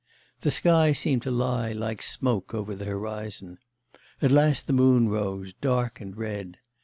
The sky seemed to lie like smoke over the horizon. At last the moon rose, dark and red.